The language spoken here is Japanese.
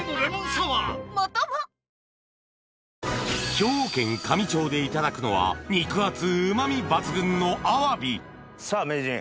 兵庫県香美町でいただくのは肉厚うま味抜群のアワビさぁ名人